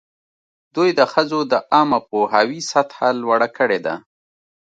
دوی د ښځو د عامه پوهاوي سطحه لوړه کړې ده.